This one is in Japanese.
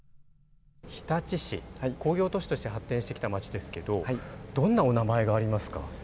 日立市、工業都市として発展してきた街ですけどどんなお名前がありますか？